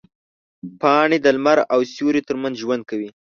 پاڼې د لمر او سیوري ترمنځ ژوند کوي.